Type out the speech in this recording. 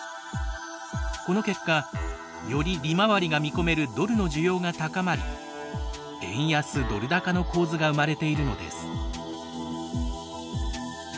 この結果、より利回りが見込めるドルの需要が高まり円安ドル高の構図が生まれているのです。